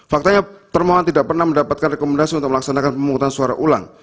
faktanya termohon tidak pernah mendapatkan rekomendasi untuk melaksanakan pemungutan suara ulang